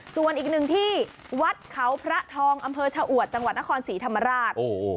ส่วนอีกหนึ่งที่วัดเขาพระทองอำเภอชะอวดจังหวัดนครศรีธรรมราช